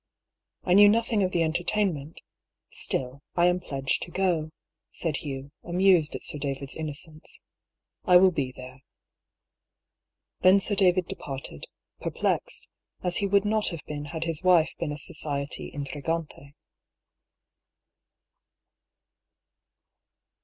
" I knew nothing of the entertainment ; still, I am pledged to go," said Hugh, amused at Sir David's inno cence. " I will be there." Then Sir David departed, perplexed, as he would not have been had his wife been a society intrigante.